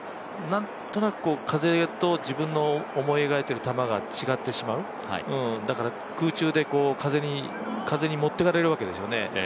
なんとなく風と自分の思い描いている球が違ってしまうだから空中で風に持ってかれるわけですよね。